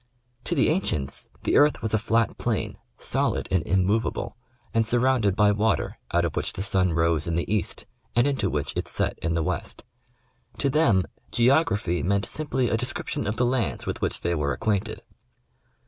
To the ancients the earth was a flat plain, solid and immovable, and surrounded by water, oiit of which the sun rose in the east and into which it set in the west. To them " Geography " meant simply a description of the lands with which they were ac quainted.